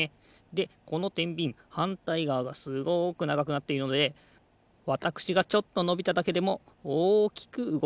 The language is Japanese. でこのてんびんはんたいがわがすごくながくなっているのでわたくしがちょっとのびただけでもおおきくうごくと。